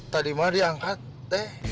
tadi mah diangkat teh